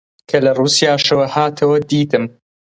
کە لە ڕووسیاشەوە هاتەوە، دیتم